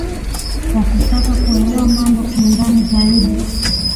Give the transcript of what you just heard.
ya kutaka kuelewa mambo kiundani zaidi